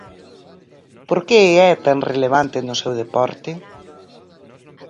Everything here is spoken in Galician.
Por que é tan relevante no seu deporte?